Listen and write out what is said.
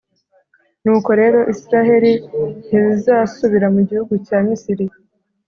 Nuko rero, Israheli ntizasubira mu gihugu cya Misiri,